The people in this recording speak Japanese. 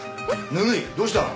どうした？